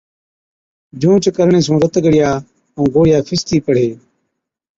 جھُونچ ڪرڻي سُون رت ڳڙِيا ائُون گوڙهِيا فِستِي پڙهي۔